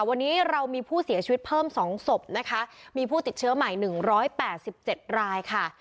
วันนี้เรามีผู้เสียชีวิตเพิ่ม๒ศพนะคะมีผู้ติดเชื้อใหม่๑๘๗รายค่ะ